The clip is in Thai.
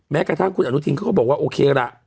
แม้กระทั่งคุณอนุทินเขาก็บอกว่าโอเคล่ะ